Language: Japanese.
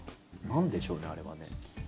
なんでしょうね、あれはね。